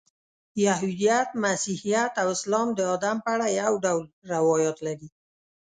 یهودیت، مسیحیت او اسلام د آدم په اړه یو ډول روایات لري.